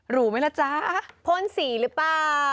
รู้ไหมล่ะจ๊ะพ่นสีหรือเปล่า